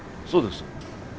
そうです。